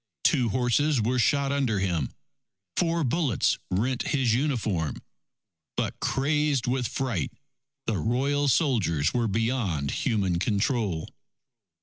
Two horses were shot under him. Four bullets rent his uniform. But crazed with fright, the Royal soldiers were beyond human control.